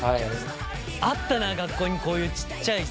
あったな学校にこういうちっちゃいさぁ。